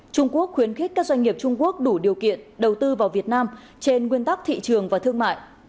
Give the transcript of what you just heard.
trung quốc khuyến khích các doanh nghiệp trung quốc đủ điều kiện đầu tư vào việt nam trên nguyên tắc thị trường và thương mại